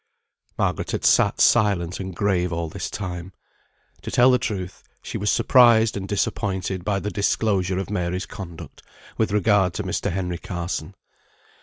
Margaret had sat silent and grave all this time. To tell the truth, she was surprised and disappointed by the disclosure of Mary's conduct, with regard to Mr. Henry Carson.